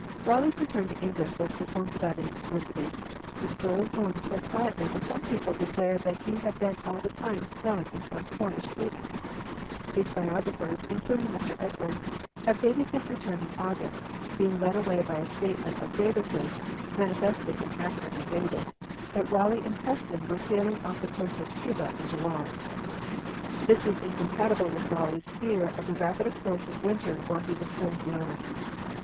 Raleigh's return to England was performed without any publicity. He stole home so quietly that some people declared that he had been all the time snug in some Cornish haven. His biographers, including Mr. Edwards, have dated his return in August, being led away by a statement of Davis's, manifestly inaccurately dated, that Raleigh and Preston were sailing off the coast of Cuba in July. This is incompatible with Raleigh's fear of the rapid approach of winter while he was still in Guiana.